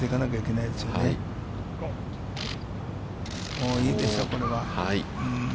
いいですよ、これは。